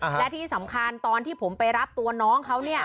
และที่สำคัญตอนที่ผมไปรับตัวน้องเขาเนี่ย